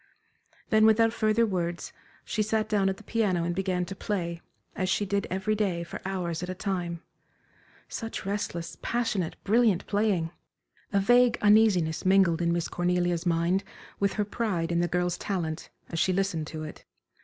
Then without further words, she sat down at the piano and began to play, as she did every day for hours at a time. Such restless, passionate, brilliant playing! A vague uneasiness mingled in Miss Cornelia's mind with her pride in the girl's talent, as she listened to it.